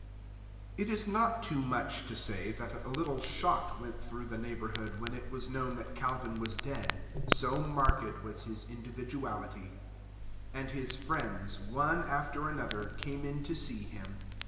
It is not too much to say that a little shock went through the neighborhood when it was known that Calvin was dead, so marked was his individuality; and his friends, one after another, came in to see him.